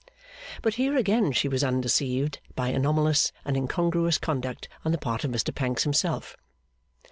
But here again she was undeceived by anomalous and incongruous conduct on the part of Mr Pancks himself.